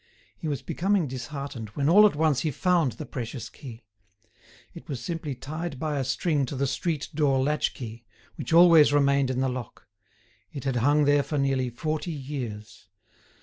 He was becoming disheartened, when all at once he found the precious key. It was simply tied by a string to the street door latch key, which always remained in the lock. It had hung there for nearly forty years.